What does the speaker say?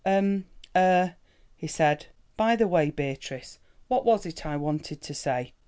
"Um, ah," he said. "By the way, Beatrice, what was it I wanted to say?